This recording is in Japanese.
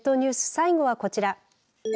最後はこちら。